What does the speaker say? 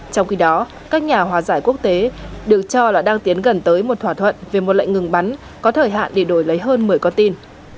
trong khi đó các nhà hòa giải quốc tế được cho là đang tiến gần tới một thỏa thuận về một lệnh ngừng bắn có thời hạn để đổi lấy hơn một mươi con tin